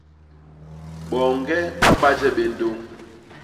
Boñge ba ba je bé ndôñ.